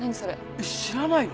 えっ知らないの？